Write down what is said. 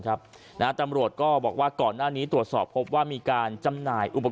ตำรวจก็บอกว่าก่อนหน้านี้ตรวจสอบพบว่ามีการจำหน่ายอุป